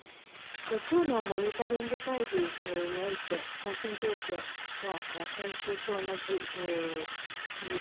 今日のモニタリング会議において、感染状況は先週と同じ黄色。